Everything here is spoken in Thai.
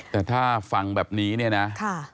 แต่ถ้าฟังแบบนี้เนี่ยนะ